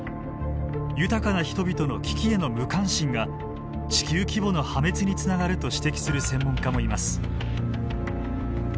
豊かな人々の危機への無関心が地球規模の破滅につながると指摘する専門家もいます。